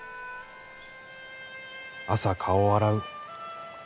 朝顔を洗う。